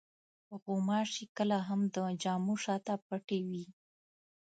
غوماشې کله هم د جامو شاته پټې وي.